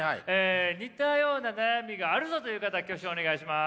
似たような悩みがあるぞという方挙手をお願いします。